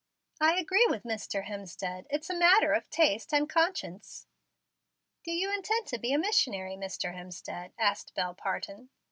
"I agree with Mr. Hemstead. It's a matter of taste and conscience." "Do you intend to be a missionary, Mr. Hemstead?" asked Bel Parton.